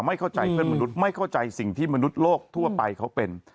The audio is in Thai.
ไม่เข้าใจเพื่อนมนุษย์ไม่เข้าใจสิ่งที่มนุษย์โลกทั่วไปเขาเป็น